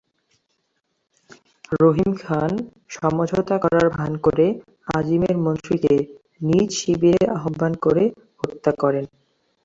রহিম খান সমঝোতা করার ভান করে আজিমের মন্ত্রীকে নিজ শিবিরে আহবান করে হত্যা করেন।